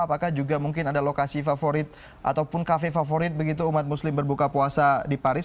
apakah juga mungkin ada lokasi favorit ataupun kafe favorit begitu umat muslim berbuka puasa di paris